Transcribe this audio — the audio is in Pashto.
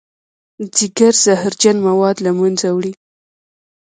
ځیګر زهرجن مواد له منځه وړي